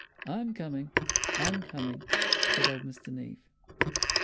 "I'm coming, I'm coming," said old Mr. Neave.